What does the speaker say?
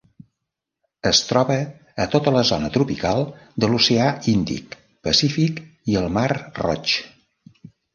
Es troba a tota la zona tropical de l'oceà Índic, Pacífic i el Mar Roig.